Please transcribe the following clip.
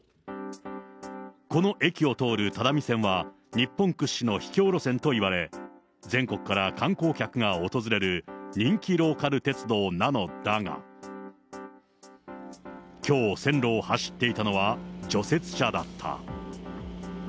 この駅を通る只見線は、日本屈指の秘境路線といわれ、全国から観光客が訪れる人気ローカル鉄道なのだが、きょう、線路を走っていたのは、除雪車だった。